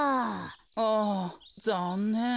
あざんねん。